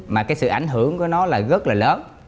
mà cái sự ảnh hưởng của nó là rất là lớn